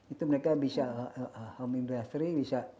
itu mereka bisa home industry